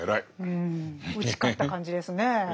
うん打ち勝った感じですねぇ。